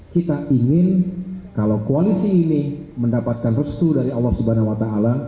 kita ingin kalau koalisi ini mendapatkan restu dari allah swt